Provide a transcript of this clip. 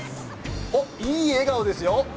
いい笑顔ですよ。